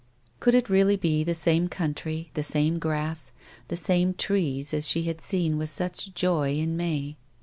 Could it really be the same country, the same grass, the same trees as she had seen with such joy in Hay